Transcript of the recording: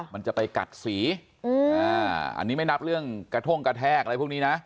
มันจะไปกัดสีอันนี้ไม่นับเรื่องกระท่งกระแทกอะไรพวกนี้นะ